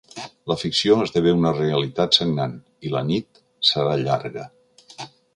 La ficció esdevé una realitat sagnant, i la nit serà llarga.